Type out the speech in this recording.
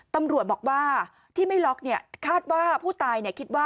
ตำรวจบอกว่าที่ไม่ล็อก